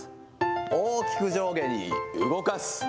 大きく上下に動かす。